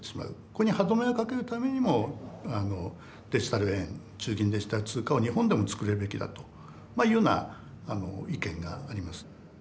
これに歯止めをかけるためにもデジタル円中銀デジタル通貨は日本でも作るべきだというような意見があります。